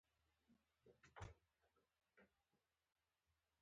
سا يې داسې غژس کوه لک تبر په تيږه تېره کوې.